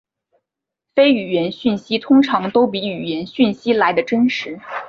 非语言讯息通常都比语言讯息来得真实。